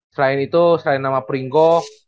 selain itu selain nama pringgok